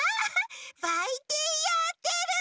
ばいてんやってる！